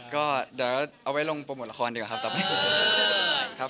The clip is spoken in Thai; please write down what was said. ก็เดี๋ยวเอาไว้ลงโปรโมทละครดีกว่าครับต่อไปครับ